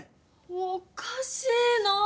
おかしいなぁ。